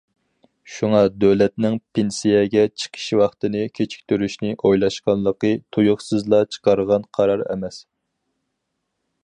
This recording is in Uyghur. شۇڭا، دۆلەتنىڭ پېنسىيەگە چىقىش ۋاقتىنى كېچىكتۈرۈشنى ئويلاشقانلىقى، تۇيۇقسىزلا چىقارغان قارار ئەمەس.